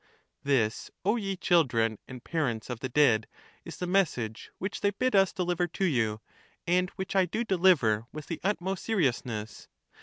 This, O ye children and parents of the dead, is the message which they bid us deliver to you, and which I do deliver with the utmost seriousness.